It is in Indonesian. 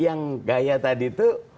yang gaya tadi tuh